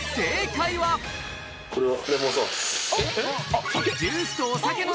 これは。